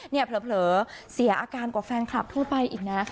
เผลอเสียอาการกว่าแฟนคลับทั่วไปอีกนะ